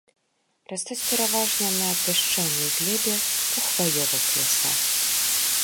Растуць пераважна на пясчанай глебе ў хваёвых лясах.